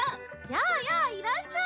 やあやあいらっしゃい。